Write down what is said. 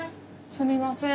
すみません